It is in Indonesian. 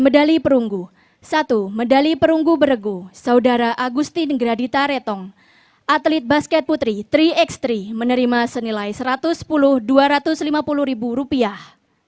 medali perunggu satu medali perunggu beregu saudara agustin gradita retong atlet basket putri tiga x tiga menerima senilai satu ratus sepuluh dua ratus lima puluh ribu rupiah